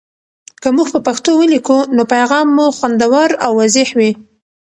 که موږ په پښتو ولیکو، نو پیغام مو خوندور او واضح وي.